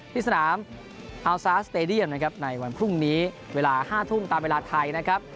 ที่สนามเอาซาสตาเดียมในวันพรุ่งนี้เวลา๕ทุ่มตามเวลาไทยนะครับ